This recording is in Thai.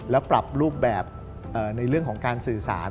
แล้วปรับรูปแบบในเรื่องของการสื่อสาร